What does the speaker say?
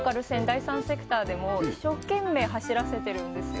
第三セクターでも一生懸命走らせてるんですよ